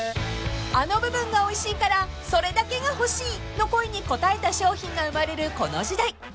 ［あの部分がおいしいからそれだけが欲しいの声に応えた商品が生まれるこの時代］